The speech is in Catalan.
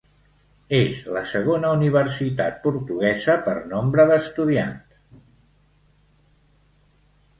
És la segona universitat portuguesa per nombre d'estudiants.